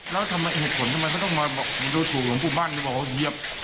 แล้วทำไมเหตุผลต้องก็บอกรูปหลวงปู่มั่นเยียบออก